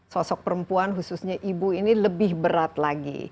sosok perempuan khususnya ibu ini lebih berat lagi